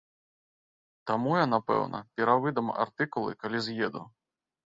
Таму я, напэўна, перавыдам артыкулы, калі з'еду.